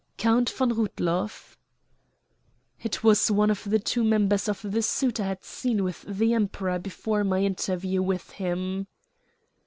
"Count von Rudloff!" It was one of the two members of the suite I had seen with the Emperor before my interview with him.